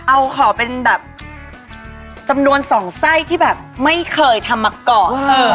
เอาขอเป็นแบบจำนวน๒ไส้ที่แบบไม่เคยทำมาก่อน